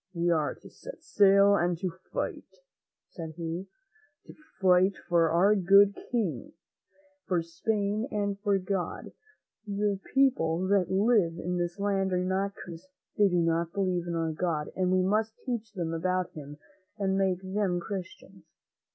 "We are to sail and to fight," said he; "to fight for our good King, for Spain and for God. The people that live in this land are not Christians. They do not believe in our God, and we must teach them about Him and make them Christ ians."